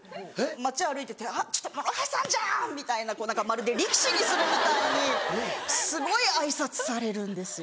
街歩いてて「諸橋さんじゃん！」みたいなまるで力士にするみたいにすごい挨拶されるんですよ。